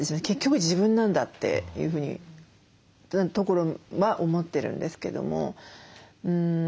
結局自分なんだっていうふうにところは思ってるんですけども。